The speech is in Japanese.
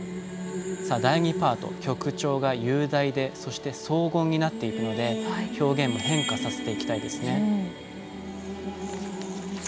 第２パート、曲調が雄大で荘厳になっていくので表現も変化させていきたいですね。